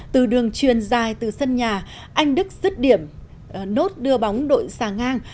từ đường truyền dài từ sân nhà anh đức dứt điểm nốt đưa bóng đội xa ngang